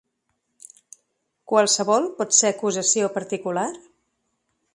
Qualsevol pot ser acusació particular?